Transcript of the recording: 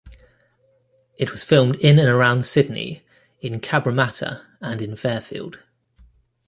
It was filmed in and around Sydney, in Cabramatta and in Fairfield.